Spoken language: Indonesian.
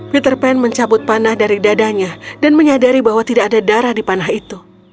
peter pan mencabut panah dari dadanya dan menyadari bahwa tidak ada darah di panah itu